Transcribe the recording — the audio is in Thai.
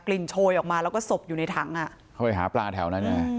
ลิ่นโชยออกมาแล้วก็ศพอยู่ในถังอ่ะเข้าไปหาปลาแถวนั้น